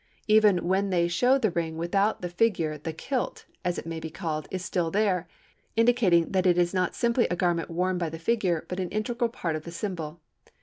Even when they show the ring without the figure the "kilt," as it may be called, is still there, indicating that it is not simply a garment worn by the figure, but an integral part of the symbol.